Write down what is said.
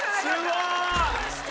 すごい！